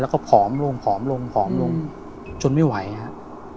แล้วก็ผอมลงผอมลงผอมลงจนไม่ไหวครับ